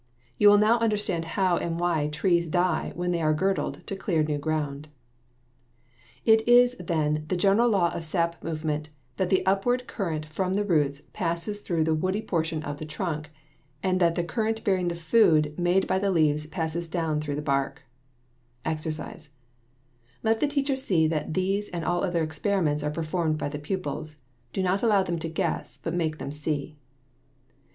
You will now understand how and why trees die when they are girdled to clear new ground. [Illustration: FIG. 29. A THICKENING ABOVE THE WIRE THAT CAUSED THE GIRDLING] It is, then, the general law of sap movement that the upward current from the roots passes through the woody portion of the trunk, and that the current bearing the food made by the leaves passes downward through the bark. =EXERCISE= Let the teacher see that these and all other experiments are performed by the pupils. Do not allow them to guess, but make them see.